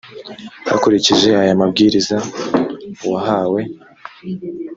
hakurikijwe aya mabwiriza uwahawe